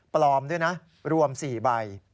ปลอมด้วยนะรวม๔ใบ